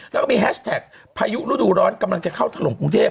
แล้วก็มีแฮชแท็กพายุฤดูร้อนกำลังจะเข้าถล่มกรุงเทพ